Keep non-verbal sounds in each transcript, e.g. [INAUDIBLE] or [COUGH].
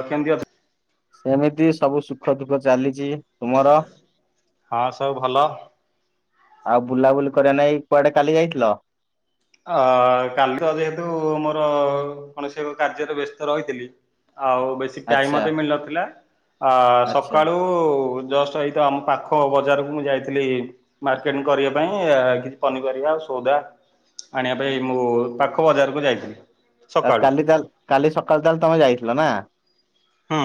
କେମିତି ଅଛନ୍ତି? ସେମିତି ସବୁ ସୁଖ ଦୁଃଖ ଚାଲିଛି ତୁମର ହଁ ସବୁ ଭଲ। ଆଉ ବୁଲାବୁଲି କରିବା ନାଇଁ କୁଆଡେ କାଲି ଯାଇଥିଲ? ଅ କାଲି ତ ଯେହେତୁ ମୋର କୌଣସି ଏକ କାର୍ଯ୍ୟରେ ବ୍ୟସ୍ତ ରହିଥିଲି ଆଉ ବେଶୀ ଟାଇମ ଆଚ୍ଛା ମତେ ମିଳିନଥିଲା ଅ ଆଚ୍ଛା ସକାଳୁ ଜଷ୍ଟ ଏଇତ ଆମ ପାଖ ବଜାରକୁ ମୁଁ ଯାଇଥିଲି ମାର୍କେଟିଂ କରିବା ପାଇଁ କିଛି ପନିପରିବା ଆଉ ସଉଦା ଆଣିବା ପାଇଁ ମୁଁ ପାଖ ବଜାରକୁ ଯାଇଥିଲି। ସକାଳୁ କାଲି ତାହେଲେ କାଲି ସକାଳ ତାହେଲେ ତମେ ଯାଇଥିଲ ନା? ହୁଁ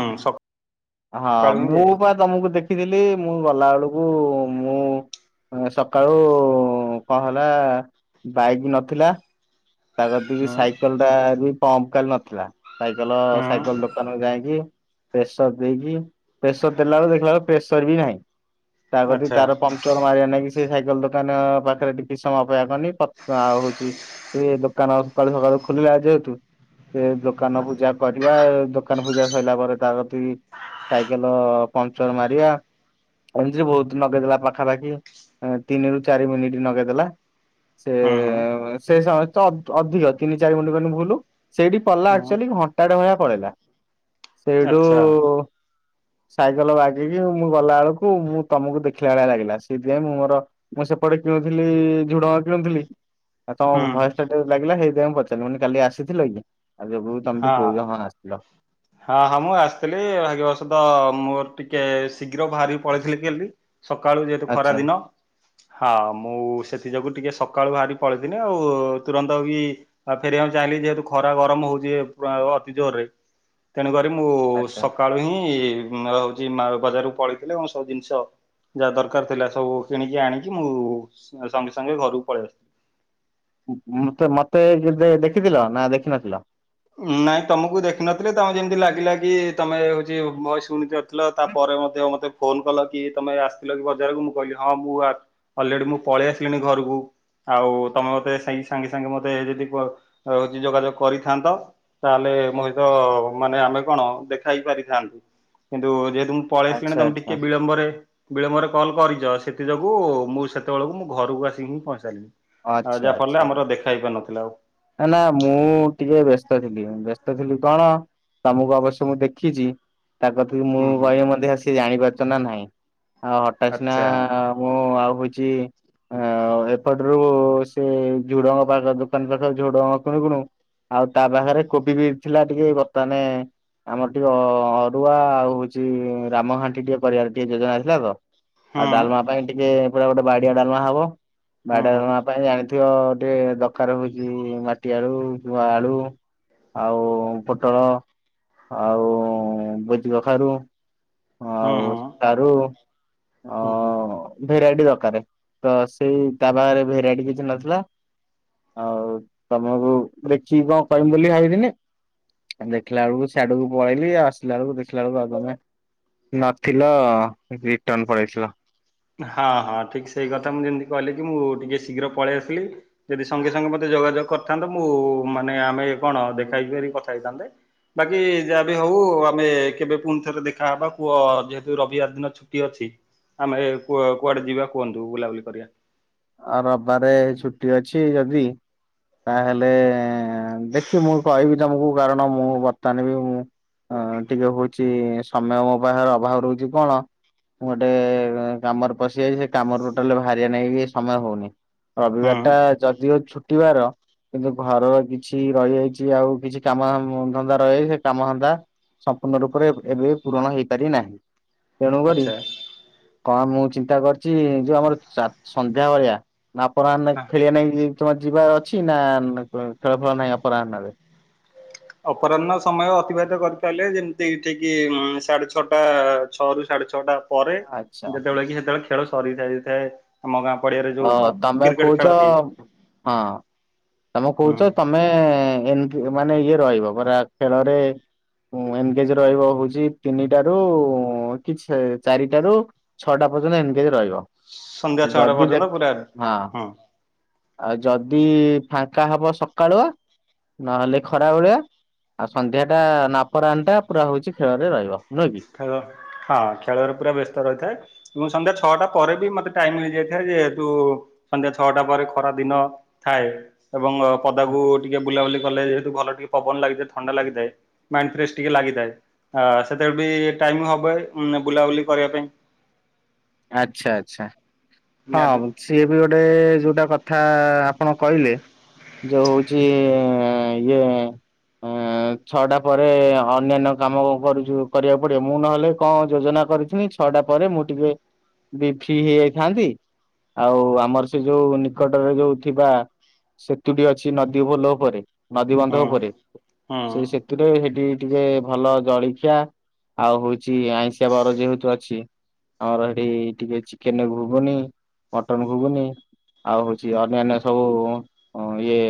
ହଁ ସକାଳୁ ହିଁ ମୁଁ ଯାଇଥିଲି ବା ତମକୁ ଦେଖିଥିଲି ମୁଁ ଗଲା ବେଳକୁ ମୁଁ ସକାଳୁ କଣ ହେଲା ବାଇକ୍ ବି ନଥିଲା ତା କତିକି ହୁଁ। ସାଇକେଲ ଟା ବି ପମ୍ପ କାଲି ନଥିଲା ସାଇକେଲ ସାଇକେଲ ହୁଁ ଦୋକାନରୁ ଯାଇକି ପ୍ରେସର ଦେଇକି ପ୍ରେସର ଦେଲା ବେଳେ ଦେଖିଲା ବେଳକୁ ପ୍ରେସର ବି ନାହିଁ ତା କତିକି ଆଚ୍ଛା ତାର ପ ମ୍ପର୍ଚର ମାରିବା ନେଇକି ସେ ସାଇକେଲ ଦୋକାନ ପାଖରେ ଟିକେ ସମୟ ଅପେକ୍ଷା କଲି ଆଉ ହେଊଛି ସେ ଦୋକାନ ସକାଳୁ ସକାଳୁ ଖୋଲିଲା ଯେହେତୁ ସେ ଦୋକାନ ପୂଜା କରିବା ଦୋକାନ ପୂଜା ସରିଲା ପରେ ତାକତିକି ସାଇକେଲ ପମ୍ପଚର ମାରିବା ଏମତୀରେ ବହୁତ ଲଗେଇଦେଲା ପାଖାପାଖି ତିନି ରୁ ଚାରି ମିନିଟ୍ ଲଗେଇଦେଲା। ସେ ହୁଁ ହୁଁ ସେ ସମ ତ ଅଧିକ ତିନି ଚାରି ମିନଟ୍ କହିଲେ ଭୁଲ୍ ସେଇଠି ପଡିଲା ହୁଁ ଆକ୍ଚୁଆଲି ଘଣ୍ଟାଡେ ଭଳିଆ ପଳେଇଲା ସେଇଠୁ ଆଚ୍ଛା ସାଇକେଲ ବାଗେଇକି ମୁଁ ଗଲାବେଳକୁ ମୁଁ ତମକୁ ଦେଖିଲା ଭଳିଆ ଲାଗିଲା ସେଇଥିପାଇଁ ମୁଁ ମୋର ମୁଁ ସେପଟେ କିଣୁଥିଲି ଝୁଡ଼ଙ୍ଗ କିଣୁଥିଲି ଆଉ ହୁଁ ତମ ଭୟସ ଟିକେ ଲାଗିଲାଇାଇ ମୁ ପଚାରିଲି କାଲି ଆସିଥିଲ କି ଆଉ ଯୋଗ କୁ ତମ ଟ କହୁଛ ହଁ ଆସିଥିଲି। ଲ ହଁ ହଁ ମୁଁ ଆସିଥିଲି ଭାଗ୍ୟବଶତ ମୋର ଟିକେ ଶୀଘ୍ର ବାହାରି ପଳେଇଥିଲି କାଲି ସକାଳୁ ଯେହେତୁ ଖରା ଆଚ୍ଛା ଦିନ ହଁ ମୁଁ ସେଥିଯୋଗୁଁ ଟିକେ ସକାଳୁ ବାହାରି ପଳେଇଥୁଲି ଆଉ ତୁରନ୍ତ ବି ଆଉ ଫେରିବାକୁ ଚାହିଁଲି ଯେହେତୁ ଖରା ଗରମ ହଉଛି ଅତି ଜୋର ରେ ତେଣୁକରି ମୁଁ ଆଚ୍ଛା। ସକାଳୁ ହିଁ ହଉଛି ମାଳା ବଜାରକୁ ପଳେଇଥିଲ ଏବଂ ସବୁ ଜିନିଷ ଯାହା ଦରକାର ଥିଲା ସବୁ କିଣିକି ଆଣିକି ମୁଁ ସଙ୍ଗେ ସଙ୍ଗେ ଘରକୁ ପଳେଇ ଆସିଥିଲି। ମତେ ମତେ କେବେ ଦେଖିଥିଲ ନା ଦେଖିନଥିଲ? ନାଇଁ ତମକୁ ଦେଖୁିନଥିଲେ ତମେ ଯେମିତି ଲାଗିଲା କି ତମେ ହଉଛି ଭୟସ ଶୁଣି ହେଲା ତାପରେ ମଧ୍ୟ ମୋତେ ଫୋନ କଲ କି ତମେ ଆସିଥିଲ କି ବଜାରକୁ ମୁଁ କହିଲି ହଁ ମୁଁ ଅଲରେଡି ମୁଁ ପଳେଇ ଆସିଲିଣି ଘରକୁ। ଆଉ ତମେ ମତେ ସେଇଠି ସାଙ୍ଗେ ସାଙ୍ଗେ ମତେ ଯଦି ରହୁଛି ଯୋଗାଯୋଗ କରିଥାନ୍ତ ତାହେଲେ ମୁହିତ ମାନେ ଆମେ କଣ ଦେଖା ହେଇ ପାରିଥାନ୍ତି କିନ୍ତୁ ଯେହେତୁ ମୁ ପଳେଇ ଆଚ୍ଛା ଆସିଲିଣି ତମେ ଆଚ୍ଛା ଟିକେ ବିଳମ୍ବରେ ବିଳମ୍ବରେ କଲ୍ କରିଛ ସେଥି ଯୋଗୁ ମୁଁ ସେତେବେଳକୁ ମୁଁ ଘରକୁ ଆସିକି ହିଁ ପହଞ୍ଚି ସାରିଲିଣି। ଆଛା ଆଚ୍ଛା। ଦେଖା ହେଇ ପାର ନଥିଲା ଆଉ ନା ନା ମୁଁ ଟିକେ ବ୍ୟସ୍ତ ଥିଲି ବ୍ୟସ୍ତ ଥିଲି କଣ ତମକୁ ଆବଶ୍ୟ ମୁଁ ଦେଖିଛି ତା କ ମୁଁ ହୁଁ ହୁଁ କହିବି ମଧ୍ୟ ସିଏ ଜାଣିପାରୁଛ ନା ନାହିଁ ଆଉ ହଠାତ୍ ସିନା ଆଚ୍ଛା। ମୁଁ ଆଉ ହଉଛି ଅ ଏପଟରୁ ସେ ଝୁଡଙ୍ଗ ପାଖ ଦୋକାନ ପାଖ ତୋ ଝୋଡଙ୍ଗ କୁଣୁକୁନୁ ଆଉ ତା ପାଖରେ କୋବି ବି ଥିଲା ଟିକେ ବର୍ତ୍ତମାନେ ଆମର ଟିକେ ଅରୁଆ ଆଉ ହଉଛି ରାମଘାଣ୍ଟି ଟିକେ କରିବାର ଟିକେ ଯୋଜନା ଆଥିଲା ତ ଆଉ ହଁ ଡାଲମା ପାଇଁ ଟିକେ ପା ଗୋଟେ ବାଡିଆ ଡାଲମା ହବ ହଁ ବାଡିଆ ହଁ ଡାଲମା ପାଇଁ ଜା ତ ଟିକେ ଦରକାର ହଉ ମାଟି ଆଳୁ କିମ୍ବା ଆଳୁ ଆଉ ପୋଟଳ ଆଉ ଭୋଜିକଖାରୁ ହଁ ଆଉ ହଁ ସାରୁ ଅ ହଁ ହଁ ଭେରାଇଟି ଦରକକାର ତ ସେଇ ତା ପାଖରେ ଭେରାଇଟି କିଛି ନଥିଲା ଆଉ ତମକୁ ଦେଖିକି କଣ କହିବି ବୋଲି ଭାବିବିନି ଦେଖିଲା ବେଳକୁ ସିଆଡକୁ ପଳେଇଲି ଆସିଲ ବେଳକୁ ଦେଖିଲା ବେଳେ ଆଉ ତମେ ନଥିଲ ରିଟର୍ଣ ପଳେଇଥିଲ। ହଁ ହଁ ଠିକ୍ ସେଇ କଥା ମୁଁ ଯେମିତି କହିଲି କି ମୁଁ ଟିକେ ଶୀଘ୍ର ପଳେଇ ଆସିଲି ଯଦି ସଙ୍ଗେ ସଙ୍ଗେ ମତେ ଯୋଗାଯୋଗ କରିଥାନ୍ତେ ମୁଁ ମାନେ ଆମେ କଣ ଦେଖା ହେଇପାରିକି କଥା ହେଇଥାନ୍ତେ। ବାକି ଯାହା ବି ହଉ ଆମେ କେବେ ପୁଣି ଥରେ ଦେଖାହବା ପୁଅ ଯେହେତୁ ରବିବାର ଦିନ ଛୁ ଟି ଅଛି ଆମେ କୁଆଡେ ଯିବା କୁହନ୍ତୁ ବୁଲାବୁଲି କରିବା ଆଉ ରବିବାରେ ଛୁଟି ଅଛି ଯଦି ତାହେଲେ ଦେଖି ମୁଁ କହିବି ତମକୁ କାରଣ ମୁଁ ବର୍ତ୍ତମାନ ବି ମୁଁ ଅ ଟିକେ ହଉଛି ସମୟ ମୋ ବାହହାର ଅଭାବ ରହୁଛି କଣ ମୁଁ ଗୋଟେ କାମରେ ପଶିଯାଇଛି ସେ କାମରରୁୁ ଟୋଟାଲ ଭାରିଆ ନେଇକି ସମୟ ହଉନି ରବିବାର ହଁ ଟା ଯଦିଓଉ ଛୁଟିବାର କିନ୍ତୁ ଘରର କିଛି ରହିଯାଇଛି ଆଉ କିଛି କାମ ଧନ୍ଦା ରହିଯାଇଛି ସେ କାମ ଧନ୍ଦା ସମ୍ପୂର୍ଣ୍ଣ ରୂପରେ ଏବେ ପୂରଣ ହେଇପାରି ନାହିଁ। ତେଣୁ କରି ଆଚ୍ଛା କଣ ମୁଁ ଚିନ୍ତା କରିଛି ଯୋଉ ଆମର ସନ୍ଧ୍ୟା ଭଳିଆ ନା ଆପଣେ ହଁ। ଖେଳିବା ନେଇ ତମର ଯିବାର ଅଛି ନା ଖେଳ ଫେଳ ନାହିଁ ଅପରାହ୍ନ ରେ? ଅପରାହ୍ନ ସମୟ ଅତିବାହିତ କରିପାରିଲେ ଯେମିତି ଏଠିକି ସାଢେ ଛଅଟା ଛଅ ରୁ ସାଢେ ଛଅଟା ପରେ ଆଚ୍ଛା ଯେତେବେଳେ କି ସେତେବେଳେ ଖେଳ ସରି ସାଇଥାଏ ଆମ ଗାଁ ପଡିଆରେ ଅ ଯୋଉ ତମେ କ୍ରିକେଟ କହୁଛ ଖେଳଟି ହଁ ତମେ ହୁଁ କହୁଛ ତମ ଆମେ ଏ ମାନେ ଇଏ ରହିବ ପରା ଖେଳରେ ଏନଗେଜ ରହିବ ହଉଛି ତିନିଟାରୁ କିଛି ଚାରିଟାରୁ ଛଅଟା ପର୍ଯ୍ୟନ୍ତ ଏନ୍ଗେଜ ରହିବ? ସଂନ୍ଧ୍ୟା ଛଅ ଟା ଯଦି ଦେଖ ପର୍ଯ୍ୟନ୍ତ ପୁରା ହଁ। ଆଉ ଯଦି ଫାଙ୍କା ହବ ସକାଳୁଆ ନହେଲେ ଖରା ବେଳିଆ ଆଉ ସନ୍ଧ୍ୟା ଟା ନାପରାଣ ଟା ପୁରା ହଉଛି ଖେଳରେ ରହିବ ନୁହଁ କି? ଖେଳ ହଁ ଖେଳରେ ପୁରା ବ୍ୟସ୍ତ ରହିଥାଏ। ଏବଂ ସନ୍ଧ୍ୟା ଛଅଟା ପରେ ବି ମତେ ଟାଇମ ମିଳିଯାଇଥାଏ ଯେହେତୁ ସନ୍ଧ୍ୟା ଛଅଟା ପରେ ଖରା ଦିନ ଥାଏ ଏବଂ ପଦାକୁୁ ଟିକେ ବୁଲାବୁଲି କଲେ ଯେହେତୁ ଭଲ ଟିକେ ପବନ ଲାଗିଥାଏ ଥଣ୍ଡା ଲାଗିଥାଏ ମାଇଣ୍ଡ ଫ୍ରେଶ୍ ଟିକେ ଲାଗିଥାଏ। ସେବେ ବି ଟାଇମ ହବ ବୁଲାବୁଲି କରିବା ପାଇଁ ଆଚ୍ଛା ଆଚ୍ଛା। ନିହାତି ହଁ ସିଏ ବି ଗୋଟେ ଯୋଉଟା କଥା ଆପଣ କହିଲେ ଯୋଉ ହଉଚି ଇଏ ଇଁ ଛଅଟା ପରେ ଅନ୍ୟାନ୍ୟ କାମ କରୁଛୁ କରିବାକୁ ପଡିବ ମୁଁ ନହେଲେ କଁ ଯୋଜନା କରିଛି ଛଅଟା ପରେ ମୁଁ ଟିକେ ବି ଫ୍ରି ହେଇଯାଇଥାନ୍ତି ଆଉ ଆମର ସେ ଯୋଉ ନିକଟରେ ଯୋଉ ଥିବା ସେତୁଟି ଅଛି ନଦୀ ପୋଲ ଉପରେ ନଦୀ ବନ୍ଧ ହୁଁ ଉପରେ ହୁଁ ସେ ସେଥିୁରେ ସେଠି ଟିକେ ଭଲ ଜଳିଖିଆ ଆଉ ହଉଛି ଆଇଁଷିଆ ବାର ଯେହେତୁ ଅଛି ଆମର ସେଠି ଟିକେ ଚିକେନ ଘୁଗୁନି ମଟନ ଘୁଗୁନି ଆଉ ହଉଛି ଅନ୍ୟାନ୍ୟ ସବୁ ଇଏ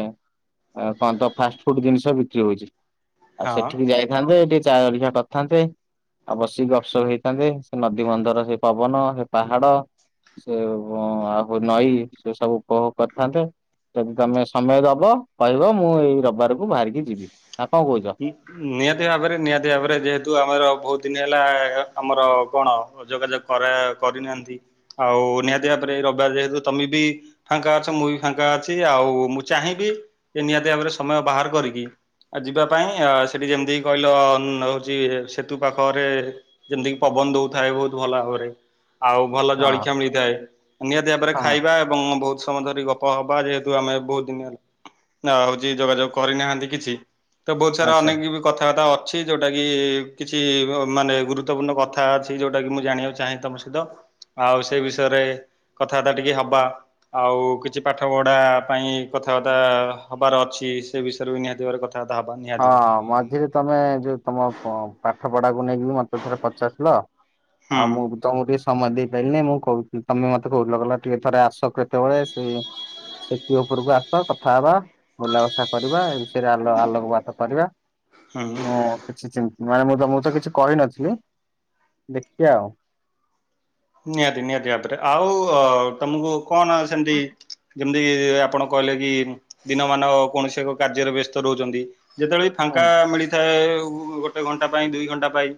କଣ ତ ଫାଷ୍ଟ ଫୁଡ ଜିନିଷ ବିକ୍ରି ହଉଛି ଆଉ ହଁ। ସେଠିକି ଯାଇଥାନ୍ତେ ଏଠି ଚା ଜଳିଖିଆ କରିଥାନ୍ତେ ଆଉ ବସିକି ଗପସପ ହେଇଥାନ୍ତେ ସେ ନଦୀ ବନ୍ଧର ସେ ପବନ ସେ ପାହାଡ ଆଉ ନଈ ସେ ସବୁ ଉପୋଭଗ କରିଥାନ୍ତେ। ଯଦି ତମେ ସମୟ ଦବ କହିବ ମୁଁ ଏଇ ରବିବାରକୁ ବାହାରିକି ଯିବି ନା କଁ କହୁଛ? ନିହାତି ଭାବରେ ନିହାତି ଭାବରେ ଯେହେତୁ ଆମର ବହୁତ ଦିନ ହେଲା ଆମର କଣ ଯୋଗାଯୋଗ କରା କରିନାହାନ୍ତି ଆଉ ନିହାତି ଭାବରେ ରବିବାର ଯେହେତୁ ତମେ ବି ଫାଙ୍କା ଅଛ ମୁଁ ବି ଫାଙ୍କା ଅଛି ଆଉ ମୁଁ ଚାହିଁବି ଏ ନିହାତି ଭାବରେ ସମୟ ବାହାର କରିକି ବା ପାଇଁ ସେଠି ଯେମିତି କହିଲ ହଉଛି ସେତୁ ପାଖରେ ଯେମିତିକି ପବନ ଦଉଥାଏ ବହୁତ ଭଲ ଭାବରେ। ଆଉ ଭଲ ହଁ ଜଳଖିଆ ମିଳିଥାଏ ନିହାତି ଭାବରେ ହଁ ଖାଇବା ଏବଂ ବହୁତ ସମୟ ଧରି ଗପ ହବା ଯେହେତୁ ଆମେ ବହୁତ ଦିନ ହେଲା। ହଉଛି ଯୋଗାଯୋଗ କରିନାହାନ୍ତି କିଛି ତ ବହୁତ ସାରା ଆଚ୍ଛା। ଅନେକ କଥାବାର୍ତ୍ତା ଅଛି ଯୋଉଟାକି କିଛି ମାନେ ଗୁରୁତ୍ୱପୂର୍ଣ୍ଣ କଥା ଅଛି ଯୋଉଟାକି ମୁଁ ଜାଣିବାକୁ ଚାହେଁ ତମ ସହିତ ଆଉ ସେଇ ବିଷୟରେ କଥାବାର୍ତ୍ତା ଟିକେ ହବା। ଆଉ କିଛି ପାଠ ପଢା ପାଇଁ କଥାବାର୍ତ୍ତା ହବାର ଅଛି ସେ ବିଷୟରେ ବି ନିହାତି ଭାବରେ କଥା ତା ବାର୍ତ୍ତା ହବା ନିହା ହଁ ମଝିରେ ତମେ ଯୋଉ ତମ ପ ପାଠ ପଢାକୁ ନେଇକି ମତେ ଥରେ ପଚାରୁଥିଲ। [UNINTELLIGIBLE] ହୁଁ ତମକୁ ଟିକେ ସମୟ ଦେଇପାଇଲିନି ମୁଁ କହୁଥିଲି ତମେ ମତେ କହୁଥିଲ କଲ ଟିକେ ଥରେ ଆସ କେତେବେଳେ ସେ ସେତୁ ଉପରକୁ ଆସ କଥା ହବା ବୁଲାବସା କରିବା ଏ ବିଷ ରେ ଆଲୋ ଆଲୋକ ପାତ କରିବା ହୁଁ ଉଁ। କିଛି ମାନେ ମୁଁ ତ ମୁଁ ତ କିଛି କହିନଥିଲି ଦେଖି ଆଉ। ନିହାତି ନିହାତି ଭାବରେ ଆଉ ତମକୁ କଣ ସେମିତି ଯେମିତି ଆପଣ କହିଲେ କି ଦିନମାନ କୌଣସି ଏକ କାର୍ଯ୍ୟରେ ବ୍ୟସ୍ତ ରହୁଛନ୍ତି। ଯେତେବେଳେ ଫାଙ୍କା ମିଳିଥାଏ ଗୋଟେ ଘଣ୍ଟା ପାଇଁ ଦୁଇ ଘଣ୍ଟା ପାଇଁ।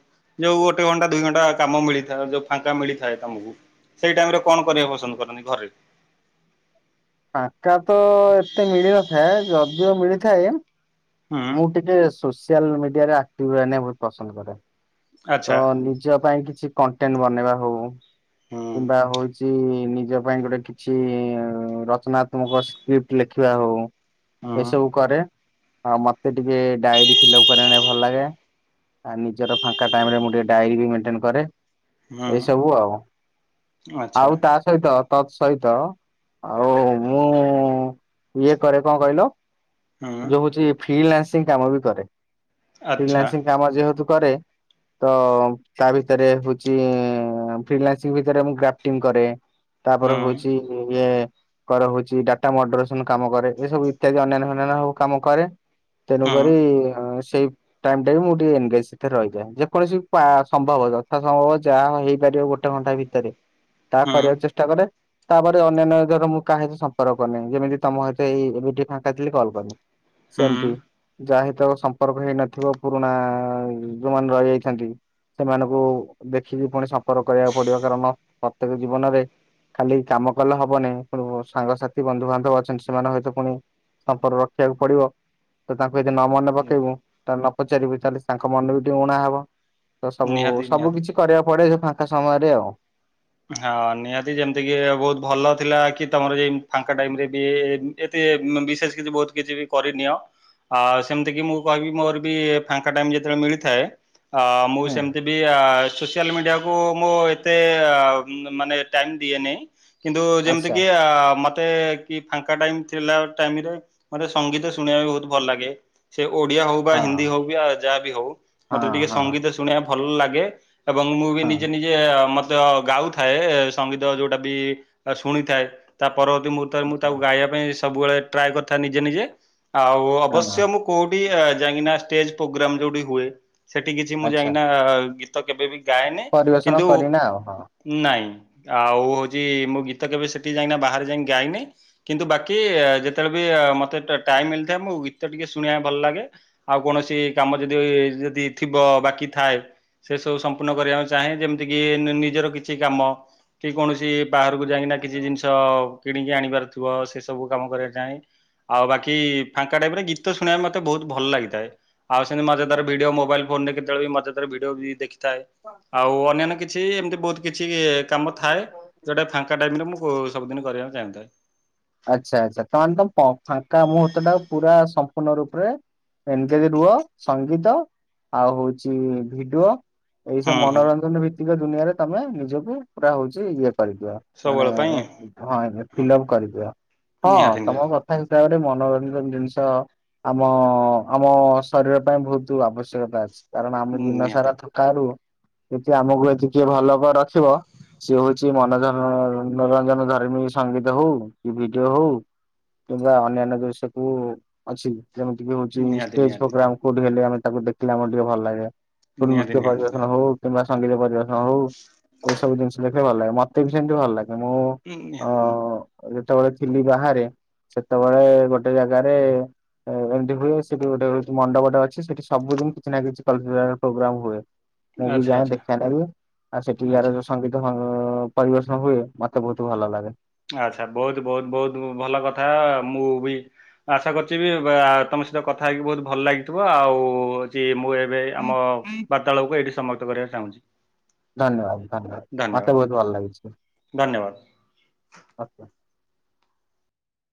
ଯୋଉ ଗୋଟେ ଘଣ୍ଟା ଦୁଇ ଘଣ୍ଟା କାମ ମିଳିଥା ଯୋଉ ଫାଙ୍କା ମିଳି ଥାଏ ତମକୁ ସେଇ ଟାଇମ ରେ କଣ କରିବାକୁ ପସନ୍ଦ କରନ୍ତି ଘରେ। ଫାଙ୍କା ତ ଏତେ ମିଳି ନଥାଏ ଯଦିଓ ମିଳିଥାଏ ହୁଁ ମୁଁ ଟିକେ ସୋସିଆଲ ମିଡିଆରେ ଆକ୍ଟିଭ ରହେନ୍ ବହୁତ ପସନ୍ଦ କରେ। ତ ଆଚ୍ଛା ନିଜ ପାଇଁ କିଛି କଣ୍ଟେଟ୍ ବନେଇବା ହଉ ହୁଁ କିମ୍ବା ହଉଛି କି ନିଜ ପାଇଁ ଗୋଟେ କିଛି ରଚନାତ୍ମକ ସ୍କ୍ରିପ୍ଟ ଲେଖିବା ହଉ। ହୁଁ ଏସବୁ କରେ ଆଉ ମତେ ଟିକେ ଡାଏରୀ ଫିଲପ୍ କରି ୟା ନାକି ଭଲ ଲାଗେ। ଆ ନିଜର ଫାଙ୍କା ଟାଇମ୍ ରେ ମୁଁ ଟିକେ ଡାଇରି ବି ମେଣ୍ଟେନ କରେ। ହୁଁ ଏସବୁ ଆଉ ଆଚ୍ଛା ଆଉ ତା ସହିତ ତତ୍ ସହିତ ଆଉ ମୁଁ ଇଏ କରେ କଁ କହିଲ? ହୁଁ ଯୋଉ ହଉଛି ଫିଲାସିଂ କାମ ବି କରେ ଆଚ୍ଛା ଫଲାସିଂ କାମ ଯେହେତୁ କରେ ତ ତା ଭିତରେ ହଉଛି ଫ୍ରିଲାସିଂ ଭିତରେ ମୁଁ ଗ୍ରାଫ୍ଟିଙ୍ଗ କରେ। ତାପରେ ହୁଁ ହଉଛି ଇଏ କରେ ହଉଛି ଡାଟା ମଡରେସନ କାମ କରେ ଏ ସବୁ ଇତ୍ୟାଦି ଅନ୍ୟାନ୍ୟ ଅନ୍ୟ ସବୁ କାମ କରେ। ହୁଁ ତେଣୁକରି ହଁ ସେଇ ଟାଇମ ଟା ବି ମୁଁ ଟିକେ ଏଙ୍ଗଗେଜ୍ ଭିତରେ ରହିଯାଏ ଯେକୌଣସି ପା ସମ୍ଭବ ଯଥା ସମ୍ଭବ ଯାହା ହେଇପାରିବ ଗୋଟେ ଘଣ୍ଟା ଭି ତ ରେ ତାହା ହୁଁ କରିବାକୁ ଚେଷ୍ଟା କରେ। ତାପରେ ଅନ୍ୟାନ୍ୟ ଧର ମୁଁ କାହାହିତ ସମ୍ପର୍କ କରିନି ଯେମିତି ତମ ହତ ଏଇ ଭିଡିଓ ଫାଙ୍କା ଥିଲିକଲ୍ କଲି। ସେମତି ଯାହା ହିତ ସମ୍ପର୍କ ହେଇନଥିବ ପୁରୁଣା ଯୋଉମାନେ ରହିଯାଇଛନ୍ତି। ସେମାନଙ୍କୁ ଦେଖିକି ପୁଣି ସମ୍ପର୍କ କରିବାକୁ ପଡିବ କାରଣ ପ୍ରତ୍ୟେକ ଜୀବନରେ ଖାଲି କାମ କଲେ ହବନିଁ ପୁଣି ସାଙ୍ଗସାଥି ବନ୍ଧୁବାନ୍ଧବ ଅଛନ୍ତି ସେମାନେ ହତ ପୁଣି ସମ୍ପର୍କ ରଖିବାକୁ ପଡିବ। ତ ତାଙ୍କୁ ଏଦି ନ ମନେ ହୁଁ ପକେଇବୁ ତା ନ ପଚାରିବୁ ତାହେଲେ ତାଙ୍କ ମନ ବି ଟିକେ ଉଣାହବ। ତ ସବୁ ନିହାତି ନିହାତି। ସବୁ କିଛି କରିବାକୁ ପଡେ ଯୋ ଫାଙ୍କା ସମୟରେ ଆଉ। ହଁ ନିହାତି ଯେମିତି କି ବହୁତ ଭଲ ଥିଲା କି ତମର ଯ ଫାଙ୍କା ଟାଇମ ରେ ବି ଏତ ବିଶେଷ କିଛି ବହୁତ କିଛି ବି କରିନିଅ। ଆଉ ସେମିତି କିି ମୁଁ କହିବି ମୋର ବି ଫାଙ୍କା ଟାଇମ ଯେତେବେଳେ ମିଳିଥାଏ ଅ ମୁଁ ହୁଁ ସେମିତି ବି ସୋସିଆଲ ମିଡିଆକୁ ମୁଁ ଏତେ ମାନେ ଟାଇମ ଦିଏନି କିନ୍ତୁ ଯେମିତି ଆଚ୍ଛା କି ଆ ମ ମତେ କି ଫାଙ୍କା ଟାଇମ୍ ଥିଲା ଟାଇମ୍ ରେ ମୋତେ ସଙ୍ଗୀତ ଶୁଣିବା କୁ ବୋହୁତ୍ ଭଲ ଲାଗେ। ସେ ଓଡିଆ ହଉ ବା ହିନ୍ଦୀ ହଁ। ହଉ, କି ବା ଯାହାବି ହଉ, ହଁ ମତେ ଟିକେ ହଁ ସଙ୍ଗୀତ ଶୁଣିବା ଭଲ ଲାଗେ। ଏବଂ ମୁଁ ବି ନିଜେ ହଁ ନିଜ ଇଏ ମତେ ଗାଉଥାଏ ସଙ୍ଗୀତ ଯୋଉଟା ବି ଶୁଣିଥାଏ ତା ପରବର୍ତ୍ତୀ ମୁଁ ମୁଁ ତାକୁ ଗାଇବା ପାଇଁ ସବୁ ବେଳେ ଟ୍ରାଏ କରିଥା ନିଜେ ନିଜେ, ଆଉ ଅବଶ୍ୟ ହଁ କୋଉଠି ଯାଇକିନା ସ୍ଟେଜ୍ ପ୍ରୋଗ୍ରାମ ଯୋଉଠି ହୁଏ। ସେଠି କିଛି ମୁଁ ଆଚ୍ଛା ଯାଇକିନା ଗୀତ କେବେ ବି ଗାଏନି। ପରିବେଷଣ କିନ୍ତୁ କରିନା ଆଉ ହ। ନାଇଁ। ଆଉ ହଉଛି ମୁଁ ଗୀତ କେବେ ସେଠି ଯାଇି କିନା ବାହାରେ ଯାଇଁ ଗାଇନି। କିନ୍ତୁ ବାକି ଯେତେବେଳେ ବି ମତେ ଟାଇମ୍ ମିଳିଥାଏ ମୁଁ ଗୀତ ଟିକେ ଶୁଣିବା ଭଲ ଲାଗେ। ଆଉ କୌଣସି କାମ ଯଦି ଯଦି ଥିବ ବାକି ଥାଏ ସେ ସବୁ ସମ୍ପୂର୍ଣ୍ଣ କରିବାକୁ ଚାହେଁ। ଯେମିତି କିି ନିଜର କି କିଛି କାମ କି କୌଣସି ବାହାରକୁ ଯାଇକିନା କିଛି ଜିନିଷ କିଣିକି ଆଣିବାର ଥିବ। ସେ ସବୁ କାମ କରିବା ଚାହେଁ। ଆଉ ବାକି ଫାଙ୍କା ଟାଇମ୍ ରେ ଗୀ ଗିତ ଶୁଣିବାକୁ ମତେ ବୋହୁତ୍ ଭଲ ଲାଗିଥାଏ। ଆଉ ସେମତୀ ମଜାଦାର ହଁ। ଭିଡିଓ ମୋବାଇଲ୍ ଫୋନ୍ ରେ କେତେ ବେଳେ ବି ମଜାଦର ଭିଡିଓ ଦେଖ ଥାଏ। ଆଉ ଅନ୍ୟାନ୍ୟ କିଛି ଏମିତି ବୋହୁତ୍ କିଛି କାମ ଥାଏ। ଯୋଉଟା ଫାଙ୍କା ଟାଇମ୍ ରେ ମୁଁ ସବୁଦିନ କରିବାକୁ ଚାହୁଁଥାଏ। ଆଚ୍ଛା ଆଚ୍ଛା। ତା ହେନେ ଫାଙ୍କା ମୁହୂର୍ତ୍ତ ଟା ପୁରା ସମ୍ପୂର୍ଣ୍ଣ ରୂପରେ ଏନ୍ ଙ୍ଗେଜ୍ ରୁହ। ସଙ୍ଗୀତ ଆଉ ହଉଛି ଭିଡିଓ ଏଇସବୁ ହୁଁ ହୁଁ ମନୋରଞ୍ଜନ ଭିତ୍ତିକ ଦୁନିଆରେ ତମେ ନିଜକୁ ପୁରା ହଉଛି ଇଏ କରିଦିଅ। ମାନେ ସବୁବେଳ ପାଇଁ ହଁ ହୁଁ ଫିଲ୍ଅପ କରିଦିିଅ। ହଁ ନିହାତି ତମ ନିହାତି କଥା ହିସାବରେ ମନୋରଞ୍ଜନ ଜିନିଷ ଆମ, ଆମ ଶରୀର ପାଇଁ ବୋହୁତୁ ଆବଶ୍ୟକତା ଅଛି। କାରଣ ଆମେ ଦିନ ସାରା ନିହାତି ଥ ଠାରୁ ଏଠି ଆମକୁ ଅଜି କିଏ ଭଲ ରେ ରଖିବ ସିଏ ହଉଛି ମନୋ ମନୋରଞ୍ଜନ ଧର୍ମୀ ସଙ୍ଗୀତ ହଉ କି ଭିଡିଓ ହଉ। କିମ୍ବା ଅନ୍ୟାନ୍ୟ ଜିନିଷ କୁ ଅଛି। ଯେମିତିକି ହଉଛି ନିହାତି ଷ୍ଟେଜ୍ ନିହାତି ପ୍ରୋଗ୍ରାମ କୋଉଠି ହେଲେ ଆମେ ତାକୁ ଦେଖିଲେ ଆମର ଟିକେ ଭଲ ଲାଗେ। କୋଉଠି ନିହାତି ନୃତ୍ୟ ନିହାତି ପରିବେଷଣ ହୋଉ। କିମ୍ବା ସଙ୍ଗୀତ ପରିବେଷଣ ହୋଉ। ଏସବୁ ଜିନିଷ ଦେ ମତେ ଭଲ ଲାଗେ। ମତେ ବି ସେମତି ଭଲ ଲାଗେ। ମୁଁ ନିହାତି ଅ ନିହାତି ଯେତେବେଳେ ଥିଲି ବାହାରେ ସେତେବେଳେ ଗୋଟେ ଜାଗାରେ ଏମିତି ହୁଏ। ସେଠି ଗୋଟେ ମଣ୍ଡପଟେ ଅଛି, ସେଠି ସବୁଦିନ କିଛି ନା କିଛି କଲ୍ଚରାଲ୍ ପ୍ରୋଗ୍ରାମ ହୁଏ। ମୁଁ ବି ଆଚ୍ଛା ଯାଏ ଆଚ୍ଛା ଦେଖିବା ନାଗି, ଆଉ ସେଠି ଯ ଆଚ୍ଛା ଯୋଉ ସଙ୍ଗୀତ ପରିବେଷଣ ହୁଏ। ମତେ ବୋହୁତ୍ ଭଲ ଲାଗେ। ଆଚ୍ଛା, ବୋହୁତ୍, ବୋହୁତ୍, ବୋହୁତ୍ ଭଲ କଥା। ମୁଁ ବି ଆଶା କରୁଛି ବି ତମ ସହିତ କଥା ହେଇକି ବୋହୁତ୍ ଭଲ ଲାଗିଥିବ। ଆଉ ହୋଉଛି ମୁଁ ଏ ଆମ ବାର୍ତ୍ତାଳୟକୁ ଏଇଠି ସମାପ୍ତ କରିବାକୁ ଚାହୁଁଛି। ଧନ୍ୟବାଦ ଧନ୍ୟବାଦ, ଧନ୍ୟବାଦ ମତେ ବୋହୁତ୍ ଭଲ ଲାଗିଛି। ଧନ୍ୟବାଦ।